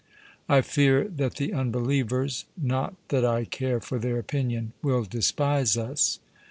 I fear that the unbelievers not that I care for their opinion will despise us.